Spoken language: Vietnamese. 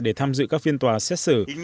để tham dự các phiên tòa xét xử